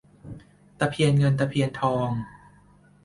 ตะเพียนเงินตะเพียนทอง